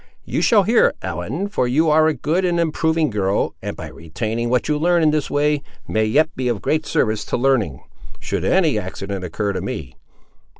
You shall hear, Ellen; for you are a good and improving girl, and by retaining what you learn in this way, may yet be of great service to learning, should any accident occur to me.